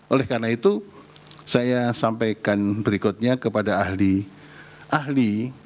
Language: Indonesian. oleh karena itu saya sampaikan berikutnya kepada ahli ahli